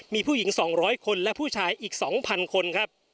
มีผู้หญิง๒๐๐คนและผู้ชายอีก๒๐๐คนครับ